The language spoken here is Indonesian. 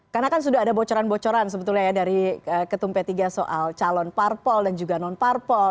karena kan sudah ada bocoran bocoran sebetulnya ya dari ketum p tiga soal calon parpol dan juga non parpol